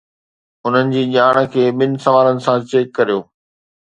انهن جي ڄاڻ کي ٻن سوالن سان چيڪ ڪريو.